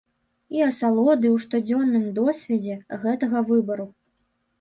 І асалоды ў штодзённым досведзе гэтага выбару.